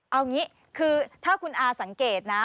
เอางี้คือถ้าคุณอาสังเกตนะ